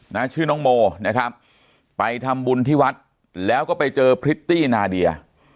นะชื่อน้องโมนะครับไปทำบุญที่วัดแล้วก็ไปเจอพริตตี้นาเดีย